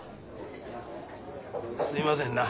すいませんな。